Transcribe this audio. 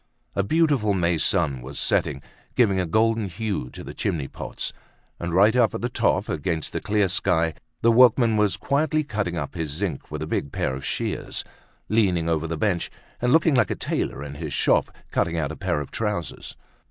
A beautiful May sun was setting, giving a golden hue to the chimney pots. And, right up at the top, against the clear sky, the workman was quietly cutting up his zinc with a big pair of shears, leaning over the bench, and looking like a tailor in his shop cutting out a pair of trousers.